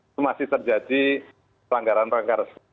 itu masih terjadi pelanggaran pelanggaran